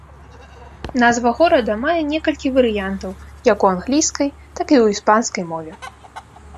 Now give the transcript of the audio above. Назва горада мае некалькі варыянтаў як у англійскай, так і ў іспанскай мове.